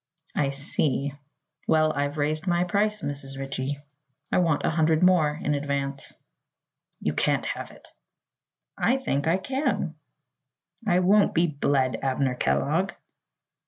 "I see. Well, I've raised my price, Mrs. Ritchie. I want a hundred more in advance." "You can't have it." "I think I can." "I won't be bled, Abner Kellogg!"